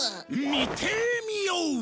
見てみよう。